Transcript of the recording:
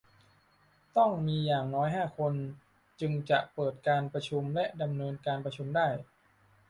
ต้องมีอย่างน้อยห้าคน จึงจะเปิดการประชุมและดำเนินการประชุมได้